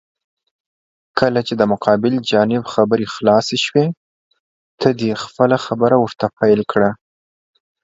کله چې د مقابل جانب خبرې خلاسې شوې، ته دې خپله خبره ورته پېل کړه.